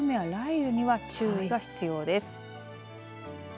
このあと急な雨や雷雨には注意が必要です。